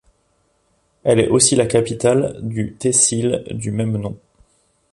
Elle est aussi la capitale du tehsil du même nom.